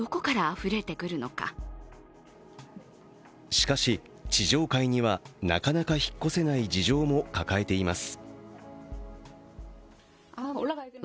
しかし、地上階にはなかなか引っ越せない事情も抱えています。